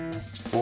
お。